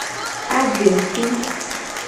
Aje si.